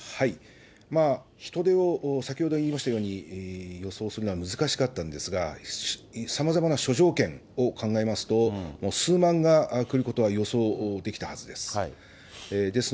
人出を、先ほど言いましたように、予想するのは難しかったんですが、さまざまな諸条件を考えますと、数万が来ることは予想できたはずです。